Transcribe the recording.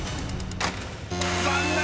［残念！